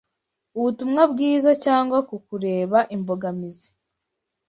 ubutumwa bwiza cyangwa ku kukubera imbogamizi